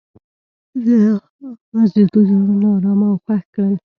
د لمحه اواز د دوی زړونه ارامه او خوښ کړل.